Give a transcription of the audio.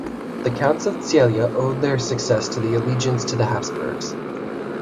The Counts of Celje owed their success to the allegiance to the Habsburgs.